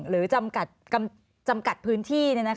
หรือจำกัดพื้นที่